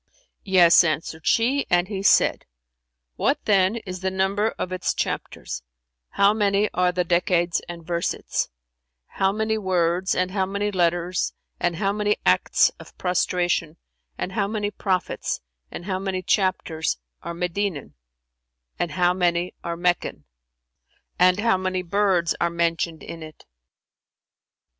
"Yes," answered she; and he said, "What then is the number of its chapters, how many are the decades and versets, how many words and how many letters and how many acts of prostration and how many prophets and how many chapters are Medinan and how many are Meccan and how many birds are mentioned in it?"